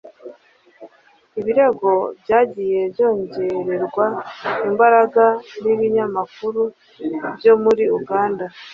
ibirego byagiye byongererwa imbaraga n’ibinyamakuru byo muri uganda.